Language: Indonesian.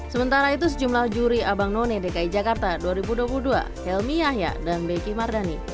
sementara itu sejumlah juri abang none dki jakarta dua ribu dua puluh dua helmi yahya dan beki mardani